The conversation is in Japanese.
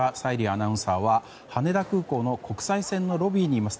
アナウンサーは羽田空港の国際線のロビーにいます。